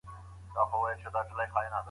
سوداګریز شریکان مو پیدا کړي.